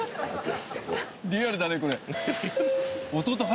リアルだねこれ。